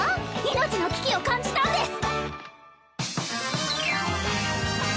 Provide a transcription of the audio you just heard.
命の危機を感じたんです